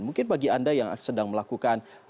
mungkin bagi anda yang sedang melakukan